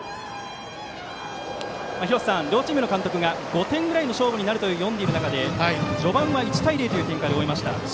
廣瀬さん、両チームの監督が５点ぐらいの勝負になると読んでいる中で序盤は１対０という展開で終えました。